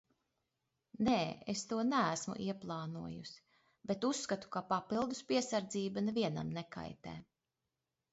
Nē, es to neesmu ieplānojusi, bet uzskatu, ka papildus piesardzība nevienam nekaitē.